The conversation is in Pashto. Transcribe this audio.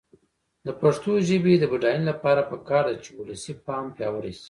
د پښتو ژبې د بډاینې لپاره پکار ده چې ولسي فهم پیاوړی شي.